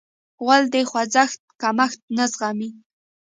غول د خوځښت کمښت نه زغمي.